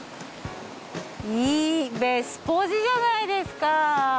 いいベスポジじゃないですか。